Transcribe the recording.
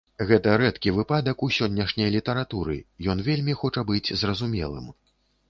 Гэта рэдкі выпадак у сённяшняй літаратуры, ён вельмі хоча быць зразумелым.